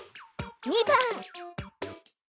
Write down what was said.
２番！